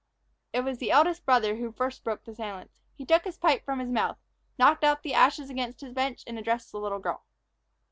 It was the eldest brother who first broke the silence. He took his pipe from his mouth, knocked out the ashes against his bench, and addressed the little girl.